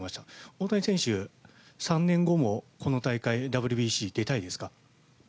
大谷選手、３年後もこの大会ＷＢＣに出たいですか？